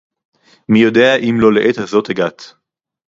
מי יודע אם לא לעת הזאת הגעת